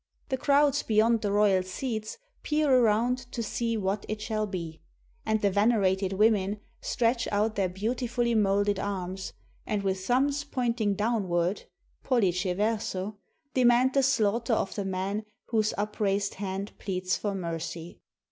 The crowds beyond the royal seats peer around to see what it shall be. And the venerated women stretch out their beauti fully moulded arms, and with thumbs pointing down ward (pollice verso), demand the slaughter of the man whose upraised hand pleads for mercy.